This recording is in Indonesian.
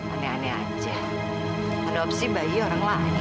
aneh aneh aja adopsi bayi orang lain